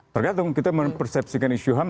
tergantung kita mempersepsikan isu ham